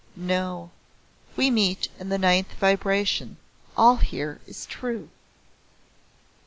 "No. We meet in the Ninth Vibration. All here is true."